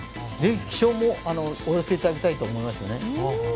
気象もお寄せいただきたいと思いますね。